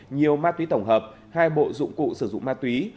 nhiều ma túy tổng hợp hai bộ dụng cụ sử dụng ma túy